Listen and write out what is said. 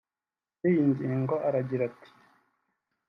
Kuri iyi ngingo aragira ati